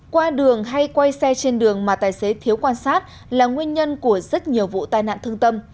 qua đường hay quay xe trên đường mà tài xế thiếu quan sát là nguyên nhân của rất nhiều vụ tai nạn thương tâm